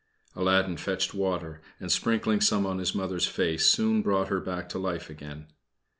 Aladdin fetched water, and sprinkling some on his Mother's face soon brought her back to life again.